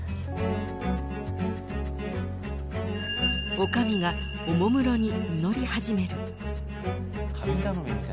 ［女将がおもむろに祈り始める］